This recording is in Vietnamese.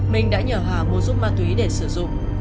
minh đã nhờ hà mua giúp ma túy để sử dụng